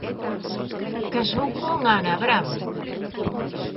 Casou con Ana Bravo.